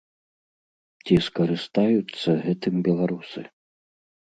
Ці скарыстаюцца гэтым беларусы?